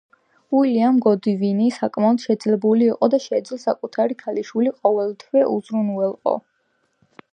უილიამ გოდვინი საკმაოდ შეძლებული იყო და შეეძლო საკუთარი ქალიშვილი ყოველივეთი უზრუნველყო.